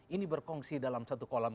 ini berkongsi dalam satu kolam